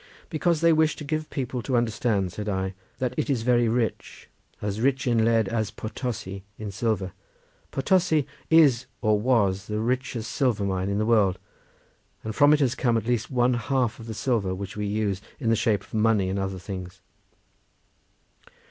"Because they wish to give people to understand," said I, "that it is very rich, as rich in lead as Potosi in silver. Potosi is, or was, the richest silver mine in the world, and from it has come at least one half of the silver which we use in the shape of money and other things."